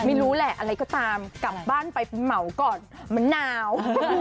ไม่รู้แหละอะไรก็ตามกลับบ้านไปเหมาก่อนมะนาว